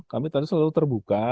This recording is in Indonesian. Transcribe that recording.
kami tadi selalu terbuka